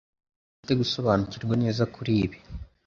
Urasa nkaho ufite gusobanukirwa neza kuribi.